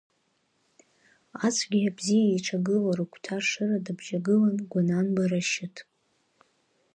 Ацәгеи абзиеи еиҿагылоу рыгәҭа ашыра дыбжьагылан Гәананба Рашьыҭ.